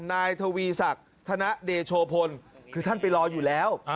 นายทวีศักดิ์ธนเดโชพลคือท่านไปรออยู่แล้ว